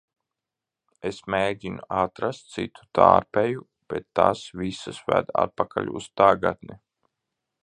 Es mēģinu atrast citu tārpeju, bet tās visas ved atpakaļ uz tagadni!